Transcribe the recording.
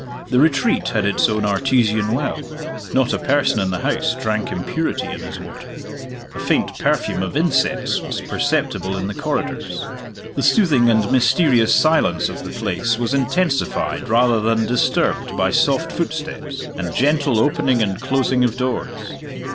The Retreat had its own artesian well; not a person in the house drank impurity in his water. A faint perfume of incense was perceptible in the corridors. The soothing and mysterious silence of the place was intensified rather than disturbed by soft footsteps, and gentle opening and closing of doors.